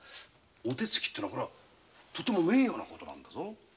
お手つきってのはなとても名誉なことなんだぞ。